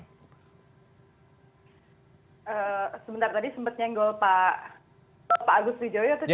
sebentar tadi sempat nyenggol pak agus widjoyo